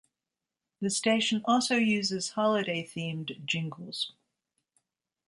The station also uses holiday-themed jingles.